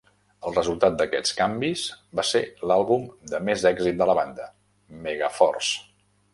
El resultat d'aquests canvis va ser l'àlbum de més èxit de la banda, "Mega Force".